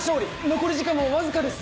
残り時間もわずかです。